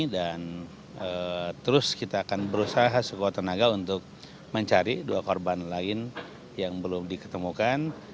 dan terus kita akan berusaha sekuat tenaga untuk mencari dua korban lain yang belum diketemukan